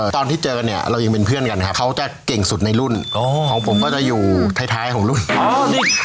ตอนที่เจอเนี่ยเรายังเป็นเพื่อนกันครับเขาจะเก่งสุดในรุ่นของผมก็จะอยู่ท้ายของรุ่นอ๋อนี่